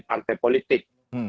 di partai politik